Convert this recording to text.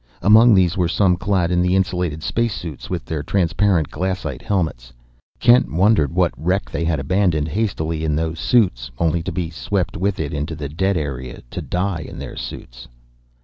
Among these were some clad in the insulated space suits, with their transparent glassite helmets. Kent wondered what wreck they had abandoned hastily in those suits, only to be swept with it into the dead area, to die in their suits.